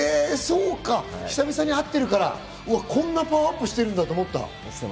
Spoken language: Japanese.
久々に会ってるから、こんなパワーアップしてるんだって。